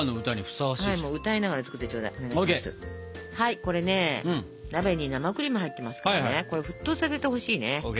これね鍋に生クリーム入ってますからねこれ沸騰させてほしいね。ＯＫ。